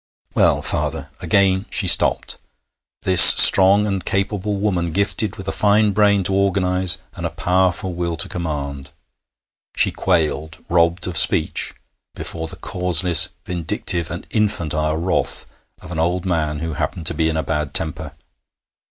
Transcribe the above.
'Well, father ' Again she stopped, this strong and capable woman, gifted with a fine brain to organize and a powerful will to command. She quailed, robbed of speech, before the causeless, vindictive, and infantile wrath of an old man who happened to be in a bad temper.